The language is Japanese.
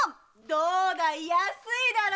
どうだい安いだろ？